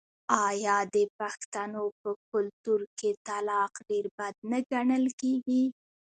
آیا د پښتنو په کلتور کې طلاق ډیر بد نه ګڼل کیږي؟